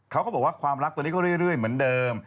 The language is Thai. เขาก็บอกว่าความรักตอนนี้ก็เรื่อยเหมือนเดิม